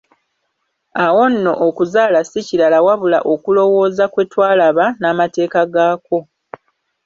Awo nno okuzaala ssi kirala wabula okulowooza, kwe twalaba, n'amateeka gaakwo.